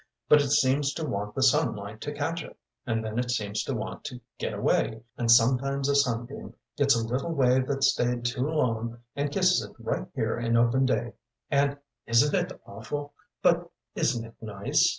But it seems to want the sunlight to catch it, and then it seems to want to get away, and sometimes a sunbeam gets a little wave that stayed too long and kisses it right here in open day and isn't it awful but isn't it nice?"